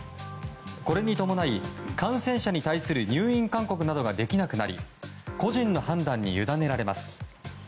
これに伴い、感染者に対する入院勧告などができなくなり個人の判断に委ねられます。